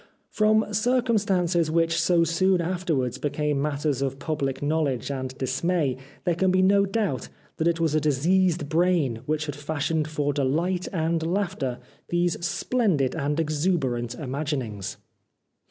From circumstances which so soon afterwards became matters of pubhc knowledge and dismay there can be no doubt that it was a diseased brain which had fashioned for delight and laughter these splendid and exuberant imaginings.